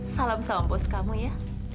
salam salam bos kamu ya